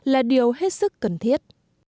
là điều hết sức cần thiết